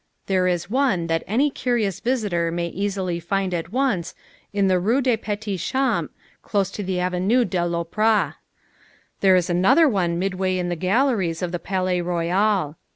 There is one that any curious visitor may easily find at once in the Rue des Petits Champs close to the Avenue de l'Opera. There is another one midway in the galleries of the Palais Royal.